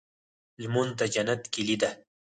لمونځ د جنت کيلي ده.